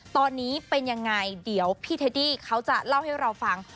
ตอนนี้เป็นยังไงเดี๋ยวพี่เทดี้เขาจะเล่าให้เราฟัง